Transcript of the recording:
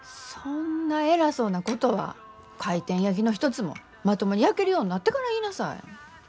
そんな偉そうなことは回転焼きの一つもまともに焼けるようになってから言いなさい。